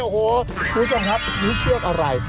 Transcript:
โอ้โฮทุกครับนี่เชือกอะไร